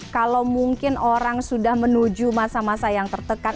kalau mungkin orang sudah menuju masa masa yang tertekan